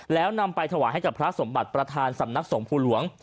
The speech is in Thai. แล้วนำไปถวายให้กับพระสมบัติประธานสำนักสงภูหลวง